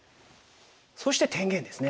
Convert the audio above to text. そして天元ですね。